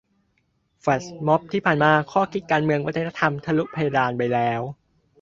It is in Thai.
แฟลชม็อบที่ผ่านมา ข้อคิดการเมืองวัฒนธรรมทะลุเพดานไปแล้ว